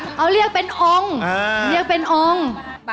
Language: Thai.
เขาเรียกเป็นองค์เรียกเป็นองค์